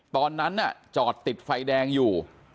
ตอนนั้นจอดติดไฟแดงอยู่